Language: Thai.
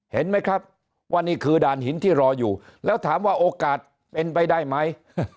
เห็นไหมครับว่านี่คือด่านหินที่รออยู่แล้วถามว่าโอกาสเป็นไปได้ไหม